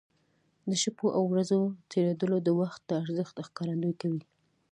د شپو او ورځو تېرېدل د وخت د ارزښت ښکارندوي کوي.